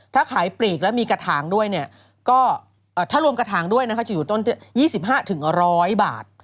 ถ้าขายปลีกและมีกระถางด้วยก็จะอยู่ต้น๒๕๑๐๐บาท